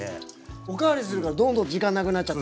お代わりするからどんどん時間なくなっちゃって。